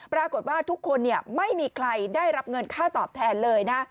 ปรากฏว่าทุกคนไม่มีใครได้รับเงินค่าตอบแทนเลยนะ